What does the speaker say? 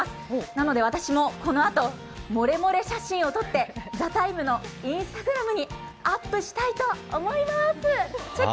なので私もこのあと、盛れ盛れ写真を撮って、「ＴＨＥＴＩＭＥ，」のＩｎｓｔａｇｒａｍにアップしたいと思います。